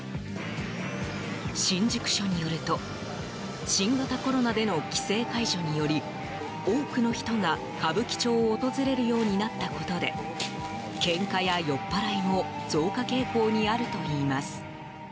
新宿署によると新型コロナでの規制解除により多くの人が歌舞伎町を訪れるようになったことでけんかや酔っ払いも増加傾向にあるといいます。